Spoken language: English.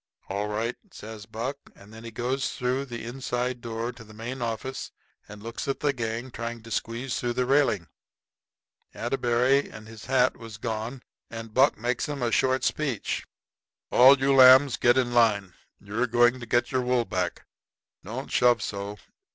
"All right," says Buck. And then he goes through the inside door into the main office and looks at the gang trying to squeeze through the railing. Atterbury and his hat was gone. And Buck makes 'em a short speech. "All you lambs get in line. You're going to get your wool back. Don't shove so.